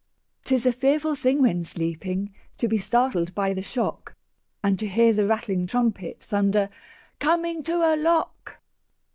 'Tis a fearful thing when sleeping To be startled by the shock, And to hear the rattling trumpet Thunder, "Coming to a lock!"